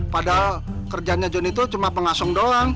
padahal kerjanya jonny itu cuma pengasung doang